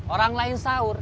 orang lain sahur